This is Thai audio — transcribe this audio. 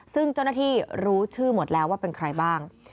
ซึ่งเจ้าหน้าที่รู้ชื่อหมดแล้วว่าเป็นใครบ้าง